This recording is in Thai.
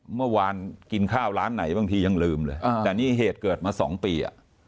เมื่อวานกินข้าวร้านไหนบางทียังลืมเลยแต่นี่เหตุเกิดมา๒ปี